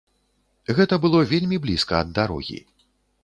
Гэта было вельмі блізка ад дарогі.